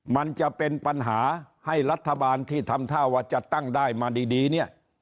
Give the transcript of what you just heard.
มันจะเป็นปัญหาให้รัฐบาลที่ทำท่าว่าจะตั้งได้มาดีเนี่ย